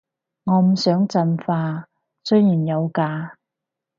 我唔想進化，雖然有假